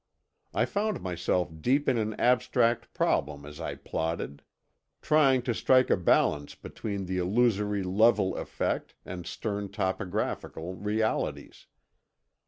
I found myself deep in an abstract problem as I plodded—trying to strike a balance between the illusory level effect and stern topographical realities.